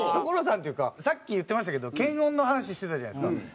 所さんっていうかさっき言ってましたけど検温の話してたじゃないですか。